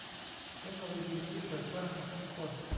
เทคโนโลยีที่เปิดกว้างกับทุกคน